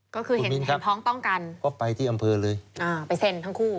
ก็คือเห็นเห็นพ้องต้องกันก็ไปที่อำเภอเลยอ่าไปเซ็นทั้งคู่